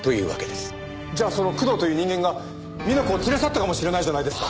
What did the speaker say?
じゃあその工藤という人間が美奈子を連れ去ったかもしれないじゃないですか！